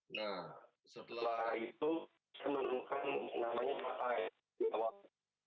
nah setelah itu saya menemukan namanya mark ai